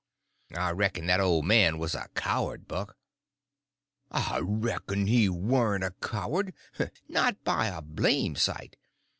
"I reckon that old man was a coward, Buck." "I reckon he warn't a coward. Not by a blame' sight.